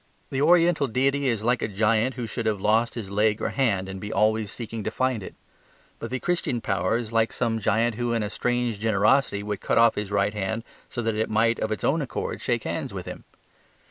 The oriental deity is like a giant who should have lost his leg or hand and be always seeking to find it; but the Christian power is like some giant who in a strange generosity should cut off his right hand, so that it might of its own accord shake hands with him.